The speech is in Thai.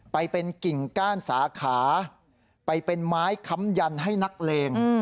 ไปเป็นกิ่งก้านสาขาไปเป็นไม้ค้ำยันให้นักเลง